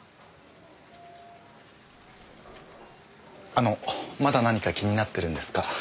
あのまだ何か気になってるんですか？